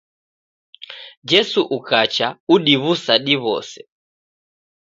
Jesu ukacha udiw'usa diw'ose.